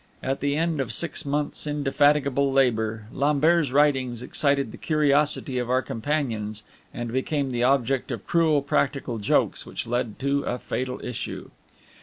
At the end of six months' indefatigable labor, Lambert's writings excited the curiosity of our companions, and became the object of cruel practical jokes which led to a fatal issue.